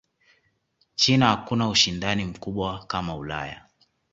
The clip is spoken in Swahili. china hakuna ushindani mkubwa kama Ulaya